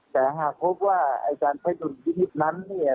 แต่หากพบว่าการใช้ดุลพินิษฐ์นั้นเนี่ย